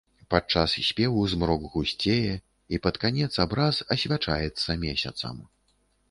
Падчас спеву змрок гусцее, і пад канец абраз асвячаецца месяцам.